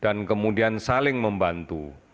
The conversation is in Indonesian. dan kemudian saling membantu